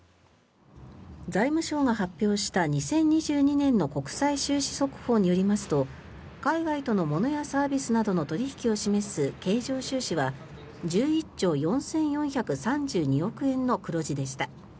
財務省が発表した２０２２年の国際収支速報によりますと海外とのものやサービスなどの取引を示す経常収支は１１兆４４３２億円の黒字でした。